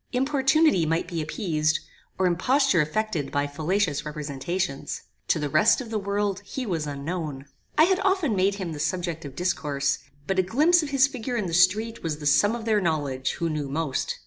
Importunity might be appeased, or imposture effected by fallacious representations. To the rest of the world he was unknown. I had often made him the subject of discourse; but a glimpse of his figure in the street was the sum of their knowledge who knew most.